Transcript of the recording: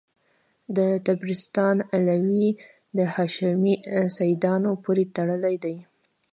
د طبرستان علویان د هاشمي سیدانو پوري تړلي دي.